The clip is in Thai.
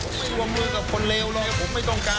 มันคือกางงูกับคนเลวเลยมันไม่ต้องการ